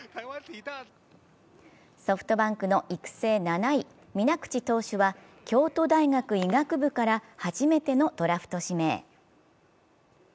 ソフトバンクの育成７位、水口投手は京都大学医学部から初めてのドラフト指名。